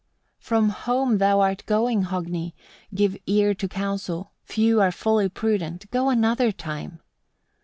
11. "From home thou art going, Hogni! give ear to counsel; few are fully prudent: go another time.